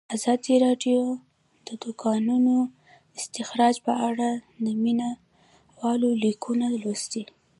ازادي راډیو د د کانونو استخراج په اړه د مینه والو لیکونه لوستي.